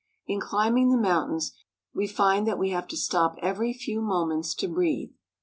In climbing the mountains, we find that we have to stop every few mo ments to breathe.